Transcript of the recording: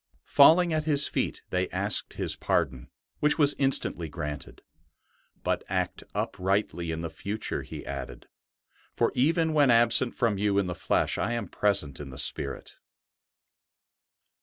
Falling at his feet, they asked his pardon, which was instantly granted. '' But act uprightly in the future,'' he added, '' for even when absent from you in the flesh I am present in the spirit."